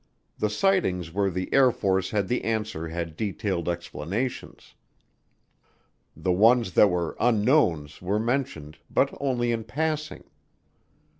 The sightings where the Air Force had the answer had detailed explanations. The ones that were unknowns were mentioned, but only in passing.